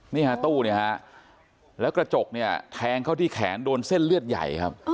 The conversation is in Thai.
นี่ฮะตู้เนี่ยฮะแล้วกระจกเนี่ยแทงเข้าที่แขนโดนเส้นเลือดใหญ่ครับ